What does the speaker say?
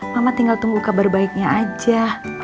mama tinggal tunggu kabar baiknya aja